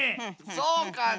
そうかな？